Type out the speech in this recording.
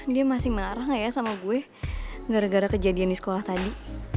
dia masih marah gak ya sama gue gara gara kejadian di sekolah tadi